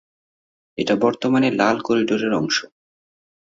এটা বর্তমানে লাল করিডোরের অংশ।